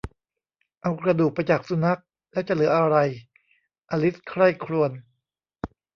เอากระดูกไปจากสุนัข แล้วจะเหลืออะไร อลิสใคร่ครวญ